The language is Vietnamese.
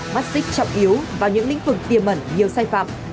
mắt xích trọng yếu vào những lĩnh vực tiềm mẩn nhiều sai phạm